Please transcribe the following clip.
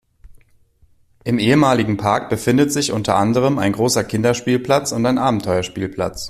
Im ehemaligen Park befindet sich unter anderem ein großer Kinderspielplatz und ein Abenteuerspielplatz.